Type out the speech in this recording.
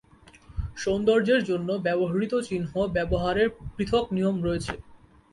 সৌন্দর্যের জন্য ব্যবহৃত চিহ্ন ব্যবহারের পৃথক নিয়ম রয়েছে।